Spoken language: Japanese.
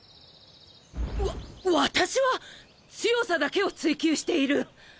わ私は強さだけを追求している。